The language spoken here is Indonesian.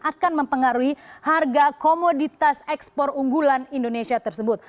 akan mempengaruhi harga komoditas ekspor unggulan indonesia tersebut